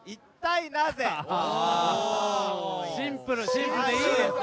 シンプルでいいですね。